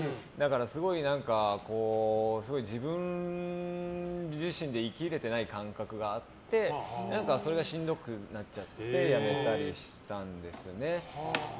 すごい自分自身で生きられてない感覚があってそれがしんどくなっちゃってやめたりしたんですよね。